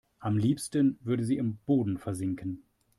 Am liebsten würde sie im Boden versinken.